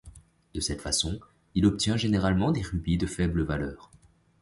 De cette façon, il obtient généralement des rubis de faible valeur.